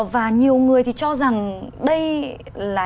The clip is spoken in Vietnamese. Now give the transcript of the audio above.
và nhiều người thì cho rằng đây là